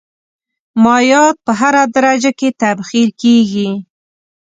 مایعات په هره درجه کې تبخیر کیږي.